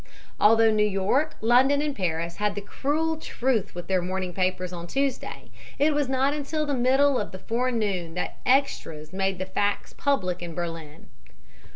Although New York, London and Paris had the cruel truth with their morning papers on Tuesday, it was not until the middle of the forenoon that "extras" made the facts public in Berlin.